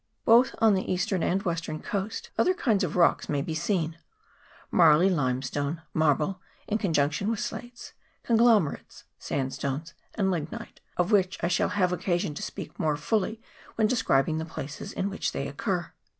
Both on the east ern and western coast other kinds of rocks may be seeil) marly limestone, marble, in junction with slates, conglomerates, sandstones, and lignite, of which I shall have occasion to speak more fully when describing the places in which they occur.